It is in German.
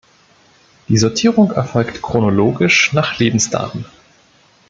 Die Sortierung erfolgt chronologisch nach Lebensdaten.